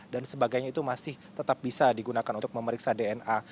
dan sebagainya itu masih tetap bisa digunakan untuk memeriksa dna